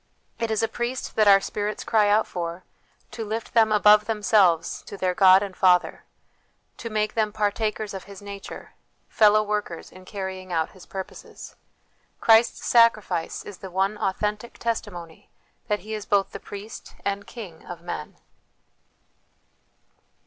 It is a Priest that our spirits cry out for, to lift them above themselves to their God and Father, to make them partakers of His nature, fellow workers in carrying out His purposes. Christ's Sacrifice is the one authentic testimony that He is both the Priest and King of men."